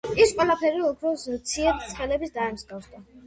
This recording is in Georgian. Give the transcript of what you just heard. ეს ყველაფერი ოქროს ციებ-ცხელებას დაემსგავდა.